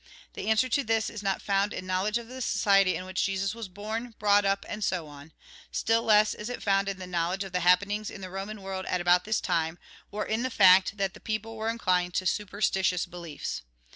The answer to this is not found in knowledge of the society in which Jesus was born, brought up, and so on ; still less is it found in knowledge of the happenings in the Eoman world at about this time, or in the fact that the people were inclined to superstitious beliefs.